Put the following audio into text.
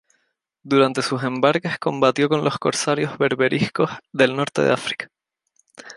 Durante sus embarques combatió con los corsarios berberiscos del norte de África.